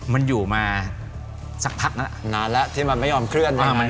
มันอยู่มาสักพักนานแล้วที่มันไม่ยอมเคลื่อน